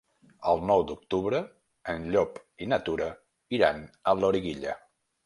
El nou d'octubre en Llop i na Tura iran a Loriguilla.